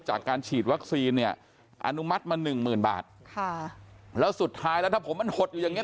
จากการฉีดวัคซีนเนี่ยอนุมัติมาหนึ่งหมื่นบาทค่ะแล้วสุดท้ายแล้วถ้าผมมันหดอยู่อย่างเง